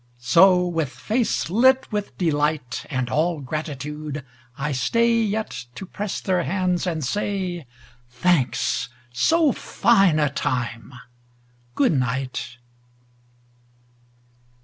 So, with face lit with delight And all gratitude, I stay Yet to press their hands and say, "Thanks. So fine a time ! Good night.